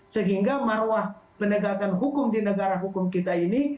sehingga marwah penegakan hukum di negara hukum kita ini